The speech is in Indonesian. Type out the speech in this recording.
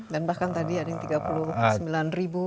dan bahkan tadi ada yang tiga puluh sembilan